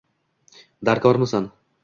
Darkormisan